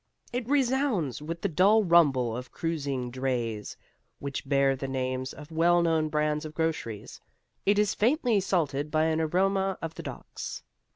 It resounds with the dull rumble of cruising drays, which bear the names of well known brands of groceries; it is faintly salted by an aroma of the docks.